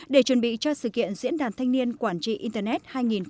để chuẩn bị cho sự kiện diễn đàn thanh niên quản trị internet hai nghìn hai mươi